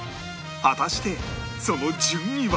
果たしてその順位は？